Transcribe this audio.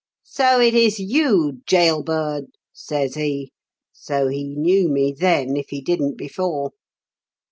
"' So it is you, gaol bird 1 ' says he ; so he knew me then, if he didn't before.